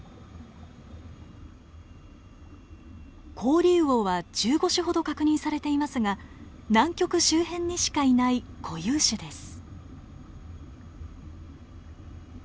コオリウオは１５種ほど確認されていますが南極周辺にしかいない固有種です。